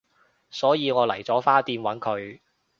所以我嚟咗花店搵佢